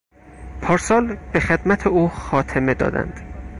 پارسال به خدمت او خاتمه دادند.